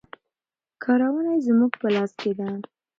کارونه یې زموږ په لاس کې دي.